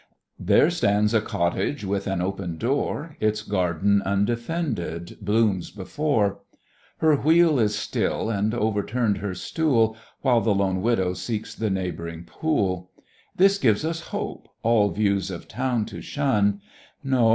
There stands a cottage with an open door, Its garden undefended blooms before: Her wheel is still, and overturn'd her stool, While the lone Widow seeks the neighb'ring pool: This gives us hope, all views of town to shun No!